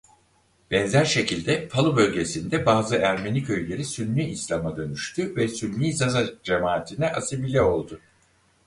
Benzer şekilde Palu bölgesinde bazı Ermeni köyleri Sünni İslam'a dönüştü ve Sünni Zaza cemaatine asimile oldu.